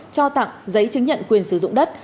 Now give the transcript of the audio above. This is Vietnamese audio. cho tặng giấy chứng nhận quyền sử dụng đất